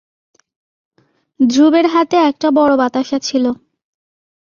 ধ্রুবের হাতে একটা বড়ো বাতাসা ছিল।